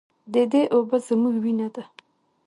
د دې اوبه زموږ وینه ده؟